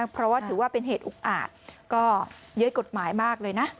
เพราะว่าถือว่าเป็นเหตุอุกอาจก็เย้ยกฎหมายมากเลยนะ